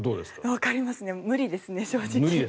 わかりますね無理ですね、正直。